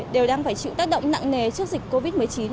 đều đang phải chịu tác động nặng nề trước dịch covid một mươi chín